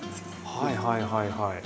はいはいはいはい。